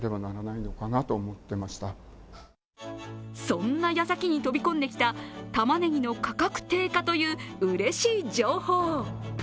そんな矢先に飛び込んできたたまねぎの価格低下といううれしい情報。